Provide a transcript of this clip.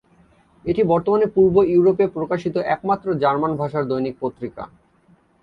এটি বর্তমানে পূর্ব ইউরোপে প্রকাশিত একমাত্র জার্মান ভাষার দৈনিক পত্রিকা।